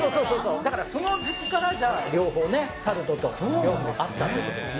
だからその時期から、両方、タルトとあったということですね。